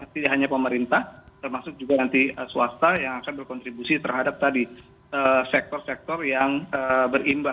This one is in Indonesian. tidak hanya pemerintah termasuk juga nanti swasta yang akan berkontribusi terhadap tadi sektor sektor yang berimbas